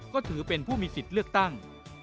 ก็ถือเป็นผู้มีสิทธิ์เลือกตั้ง